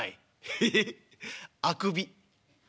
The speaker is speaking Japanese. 「ヘヘヘッあくび」。